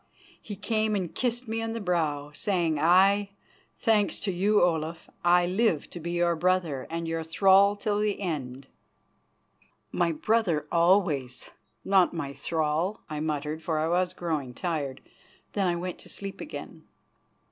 He came and kissed me on the brow, saying: "Aye, thanks to you, Olaf, I live to be your brother and your thrall till the end." "My brother always, not my thrall," I muttered, for I was growing tired. Then I went to sleep again.